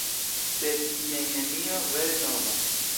Sed jen nenio vere nova.